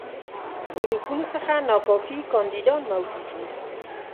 ګروپونو څخه ناکافي کانديدان موجود وي.